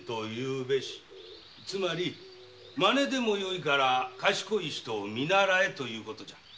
つまりマネでもよいから賢い人を見習えということじゃ。